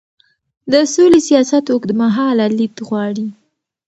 د سولې سیاست اوږدمهاله لید غواړي